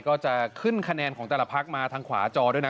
ก็จะขึ้นคะแนนของแต่ละพักมาทางขวาจอด้วยนะ